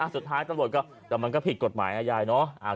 สุดท้ายตำรวจก็แต่มันก็ผิดกฎหมายนะยายเนาะ